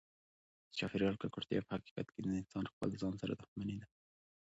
د چاپیریال ککړتیا په حقیقت کې د انسان د خپل ځان سره دښمني ده.